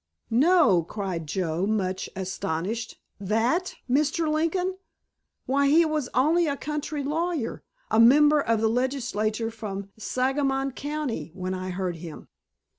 "No," cried Joe, much astonished. "That Mr. Lincoln? Why, he was only a country lawyer, a member of the legislature from Sangamon County, when I heard him!"